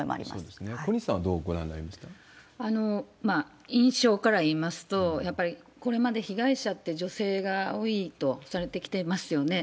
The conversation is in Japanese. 小西さんはどう印象から言いますと、やっぱりこれまで被害者って女性が多いとされてきていますよね。